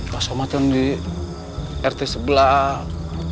pak somad yang di rt sebelah